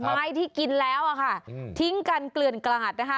ไม้ที่กินแล้วอะค่ะทิ้งกันเกลือนกลาดนะคะ